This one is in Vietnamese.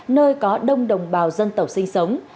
nơi có đông đồng bào dân tộc sinh sống